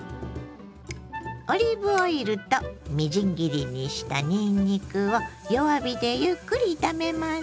オリーブオイルとみじん切りにしたにんにくを弱火でゆっくり炒めます。